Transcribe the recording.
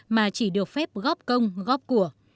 mà chỉ được phép góp công góp của